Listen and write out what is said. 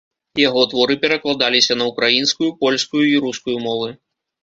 Яго творы перакладаліся на ўкраінскую, польскую і рускую мовы.